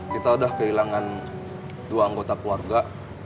kita sudah kehilangan dua anggota keluarga